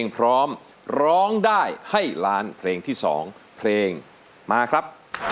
โปรดติดตามันที่๓นสวัสดีครับ